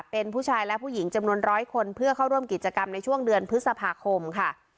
เป็นผู้ชายและผู้หญิงจำนวนร้อยคนเพื่อเข้าร่วมกิจกรรมในช่วงเดือนพฤษภาคมค่ะ